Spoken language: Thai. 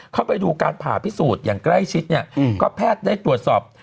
เข้าไปดูการผ่าพิสูจน์อย่างใกล้ชิดเนี่ยก็แพทย์ได้ตรวจสอบ